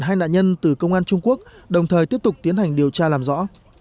hai nạn nhân từ công an trung quốc đồng thời tiếp tục tiến hành điều tra làm rõ